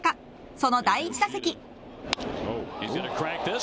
その第１打席。